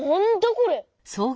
これ。